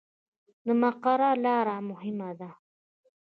د مقر لاره مهمه ده